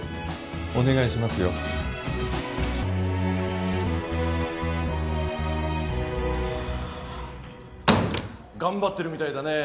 お願いしますよ頑張ってるみたいだねえ